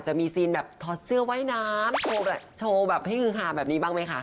จะมีซีนแบบทอดเสื้อว่ายน้ำโชว์แบบนี้บ้างไหมคะ